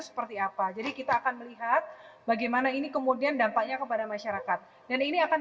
seperti apa jadi kita akan melihat bagaimana ini kemudian dampaknya kepada masyarakat dan ini akan